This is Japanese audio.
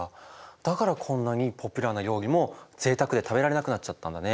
だからこんなにポピュラーな料理もぜいたくで食べられなくなっちゃったんだね。